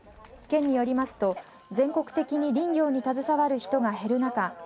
県によりますと全国的に林業に携わる人が減る中